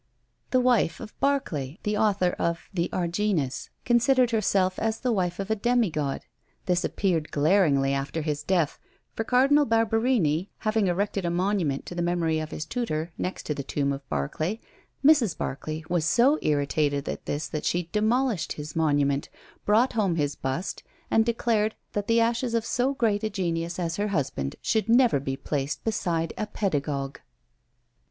The wife of Barclay, author of "The Argenis," considered herself as the wife of a demigod. This appeared glaringly after his death; for Cardinal Barberini having erected a monument to the memory of his tutor, next to the tomb of Barclay, Mrs. Barclay was so irritated at this that she demolished his monument, brought home his bust, and declared that the ashes of so great a genius as her husband should never be placed beside a pedagogue.